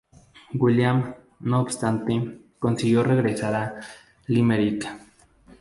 William, no obstante, consiguió regresar a Limerick.